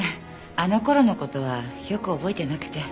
あの頃の事はよく覚えてなくて。